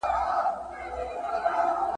د وګړو به سول پورته آوازونه ..